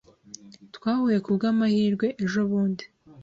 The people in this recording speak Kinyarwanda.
Twahuye kubwamahirwe ejobundi.